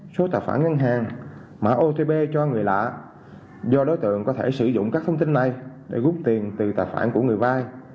số tài khoản ngân hàng mã otb cho người lạ do đối tượng có thể sử dụng các thông tin này để gút tiền từ tài khoản của người vai